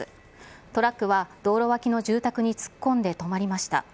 トラックは道路脇の住宅に突っ込んで止まりました。